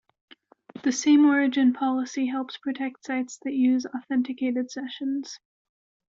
The same-origin policy helps protect sites that use authenticated sessions.